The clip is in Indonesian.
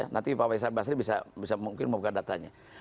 nanti pak faisal basri bisa mungkin membuka datanya